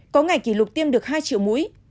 có ngày kỷ lục tiêm được hai triệu mũi